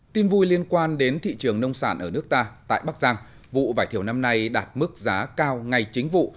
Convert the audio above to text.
tin vui liên quan đến thị trường nông sản ở nước ta tại bắc giang vụ vải thiều năm nay đạt mức giá cao ngay chính vụ